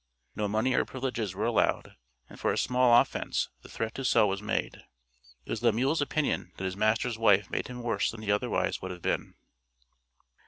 No money or privileges were allowed, and for a small offence the threat to sell was made. It was Lemuel's opinion that his master's wife made him worse than he otherwise would have been.